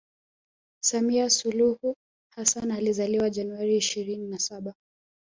Samia suluhu Hassan alizaliwa January ishirini na saba